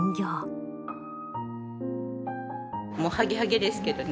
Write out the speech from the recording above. もうハゲハゲですけどね。